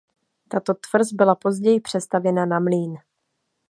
Tato tvrz byla později přestavěna na mlýn.